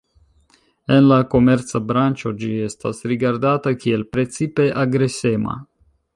En la komerca branĉo ĝi estas rigardata kiel precipe agresema.